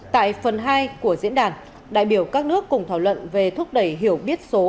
tại phần hai của diễn đàn đại biểu các nước cùng thảo luận về thúc đẩy hiểu biết số